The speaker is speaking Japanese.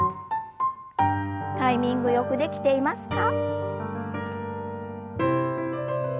タイミングよくできていますか？